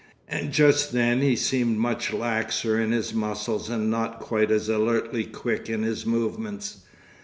And just then he seemed much laxer in his muscles and not quite as alertly quick in his movements.